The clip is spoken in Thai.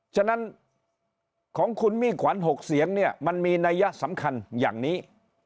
ฉะนั้นของคุณมิ่งขวัญ๖เสียงเนี่ยมันมีนัยสำคัญอย่างนี้